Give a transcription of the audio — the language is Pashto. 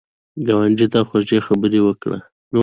ګاونډي ته خواږه خبرې وکړه